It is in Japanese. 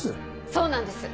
そうなんです。